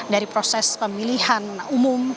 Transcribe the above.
dari proses pemilihan umum